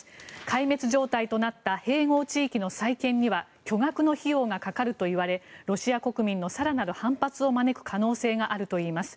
壊滅状態となった併合地域の再建には巨額の費用がかかるといわれロシア国民の更なる反発を招く可能性があるといいます。